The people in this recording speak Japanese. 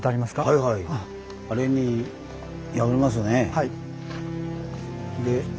はい。